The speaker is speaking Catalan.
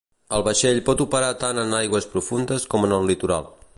El vaixell pot operar tant en aigües profundes com en el litoral.